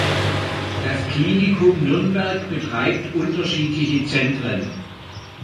Das Klinikum Nürnberg betreibt unterschiedliche Zentren.